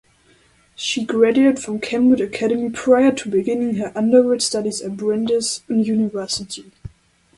She graduated from Kenwood Academy prior to beginning her undergraduate studies at Brandeis University.